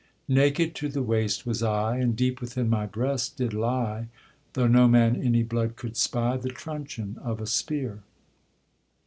Naked to the waist was I, And deep within my breast did lie, Though no man any blood could spy, The truncheon of a spear.